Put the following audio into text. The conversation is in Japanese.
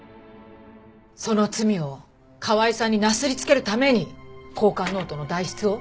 その罪を川井さんになすりつけるために交換ノートの代筆を？